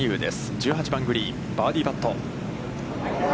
１８番グリーン、バーディーパット。